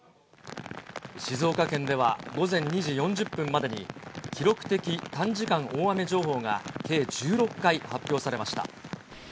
静岡県では午前２時４０分までに、記録的短時間大雨情報が計１６回発表されました。